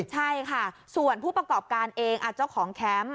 ใช่ค่ะส่วนผู้ประกอบการเองเจ้าของแคมป์